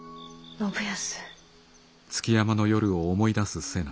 信康？